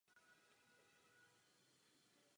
Častější je v rakouských Alpách a slovenských Karpatech.